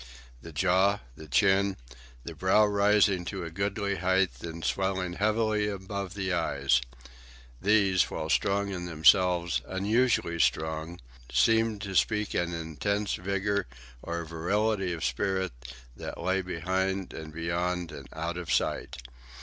The jaw, the chin, the brow rising to a goodly height and swelling heavily above the eyes,—these, while strong in themselves, unusually strong, seemed to speak an immense vigour or virility of spirit that lay behind and beyond and out of sight.